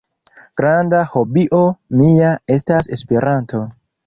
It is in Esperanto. Granda hobio mia estas Esperanto.